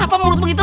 apa mulut lu begitu